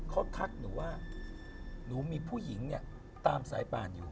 เขาทักหนูว่าหนูมีผู้หญิงเนี่ยตามสายป่านอยู่